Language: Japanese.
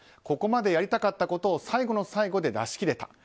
ここまでやりたかったことを最後に最後で出し切れた。